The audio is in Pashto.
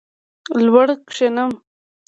لوړ کښېنم.